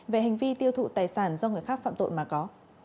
về hành vi tiêu thụ tài sản do người khác phạm tội mà có